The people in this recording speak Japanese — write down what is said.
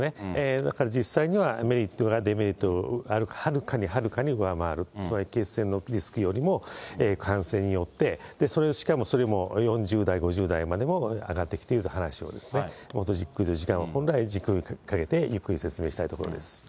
だから、実際にはメリットがデメリットをはるかにはるかに上回る、つまり血栓のリスクよりも感染によって、しかもそれも４０代、５０代までも上がってきている話をですね、本来、じっくり時間をかけて、ゆっくり説明したいところです。